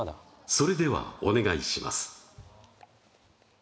それではお願いします